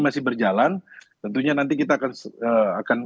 masih berjalan tentunya nanti kita akan